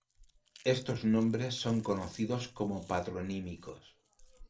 Estos nombres son conocidos como patronímicos.